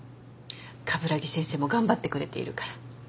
鏑木先生も頑張ってくれているから。